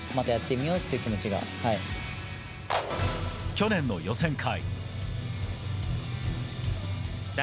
去年の予選会。